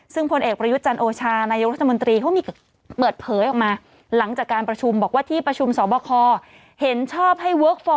ซึ่งอย่างที่บอกไปเมื่อวานนี้